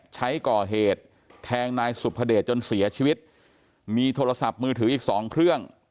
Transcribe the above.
ใช้ก่อเหตุแทงนายสุภเดชจนเสียชีวิตมีโทรศัพท์มือถืออีกสองเครื่อง